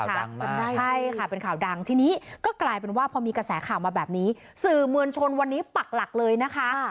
จำได้ใช่ค่ะเป็นข่าวดังทีนี้ก็กลายเป็นว่าพอมีกระแสข่าวมาแบบนี้สื่อมวลชนวันนี้ปักหลักเลยนะคะ